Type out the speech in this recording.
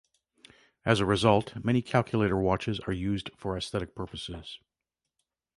As a result, many calculator watches are used for aesthetic purposes.